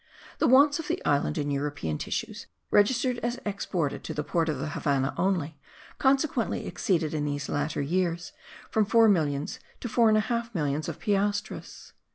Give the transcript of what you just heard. The wants of the island, in European tissues, registered as exported to the port of the Havannah only, consequently exceeded, in these latter years, from four millions to four and a half millions of piastres.